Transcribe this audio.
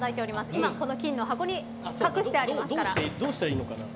今、金の箱に隠してありますから。